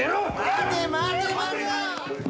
待て待て待て！